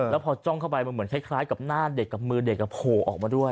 แล้วพอจ้องเข้าไปมันเหมือนคล้ายกับหน้าเด็กกับมือเด็กโผล่ออกมาด้วย